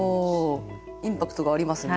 インパクトがありますね。